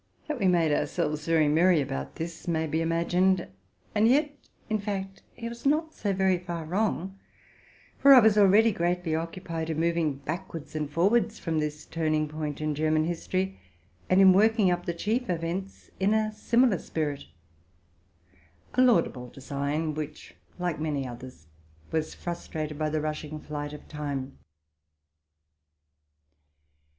That we made ourselves very merry about this may be ima gined: and yet, in fact, he was not so very far wrong ; for I was already greatly occupied in moving backwards and for wards from this turning point in German history, and in working up the chief events in a similar spirit, —a laudable design, which, like many others, was frustrated by the rush ing flight of time.